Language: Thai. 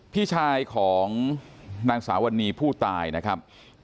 พี่ชายของนางสาววันนี้ผู้ตายนะครับ